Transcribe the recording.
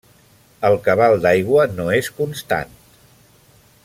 El cabal d'aigua no és constant.